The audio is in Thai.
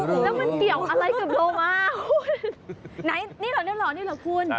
แล้วมันเกี่ยวอะไรกับโลมา